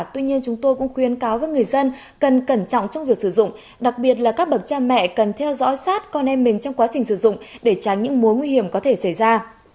tuy nhiên chúng tôi cũng khuyên cáo với người dân cần cẩn trọng trong việc sử dụng đặc biệt là các bậc cha mẹ cần theo dõi sát con em mình trong quá trình sử dụng để tránh những mối nguy hiểm có thể xảy ra